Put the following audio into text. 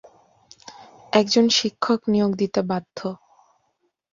একজন শিক্ষক নিয়োগ দিতে বাধ্য।